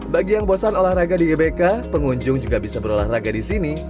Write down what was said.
bagi yang bosan olahraga di gbk pengunjung juga bisa berolahraga di sini